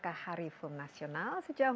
sam sedang menit ini savior